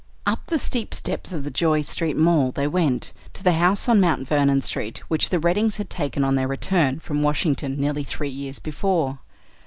Up the steep steps of the Joy Street Mall they went, to the house on Mt. Vernon Street which the Reddings had taken on their return from Washington nearly three years before.